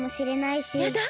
やだ